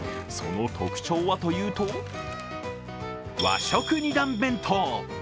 その特徴はというと、和食２弾弁当。